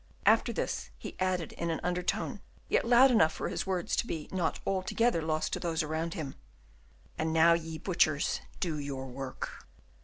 After this, he added, in an undertone, yet loud enough for his words to be not altogether lost to those about him, "And now, ye butchers, do your work!"